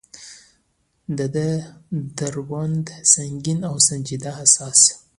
د ده دروند، سنګین او سنجیده احساس.